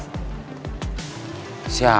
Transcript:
makasih ya pak alex